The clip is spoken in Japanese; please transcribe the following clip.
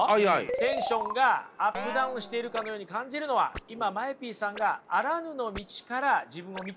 テンションがアップダウンしているかのように感じるのは今ＭＡＥＰさんがあらぬの道から自分を見ているからなんですよ。